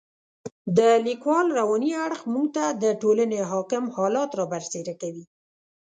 د لیکوال رواني اړخ موږ ته د ټولنې حاکم حالات را برسېره کوي.